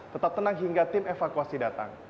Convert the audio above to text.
tetap tenang hingga tim evakuasi datang